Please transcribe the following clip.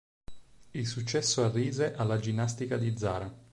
Il successo arrise alla Ginnastica di Zara.